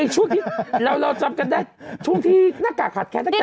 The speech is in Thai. ช่วงที่เราจับกันได้ช่วงที่หน้ากากขัดแคด